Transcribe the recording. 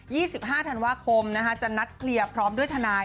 ๒๕ธันวาคมนะคะจะนัดเคลียร์พร้อมด้วยทนาย